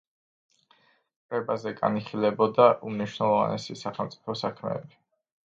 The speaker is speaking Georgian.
კრებაზე განიხილებოდა უმნიშვნელოვანესი სახელმწიფო საქმეები.